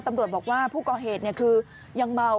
ตำรวจบอกว่าผู้ก่อเหตุคือยังเมา